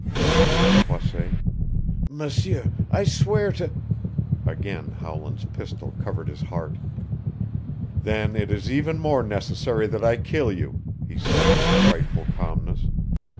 exclaimed Croisset. "M'seur, I swear to " Again Howland's pistol covered his heart. "Then it is even more necessary that I kill you," he said with frightful calmness.